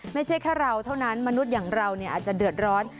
ไม่ใช่แค่เราเท่านั้นมนุษย์อย่างเราอาจจะเดือดร้อน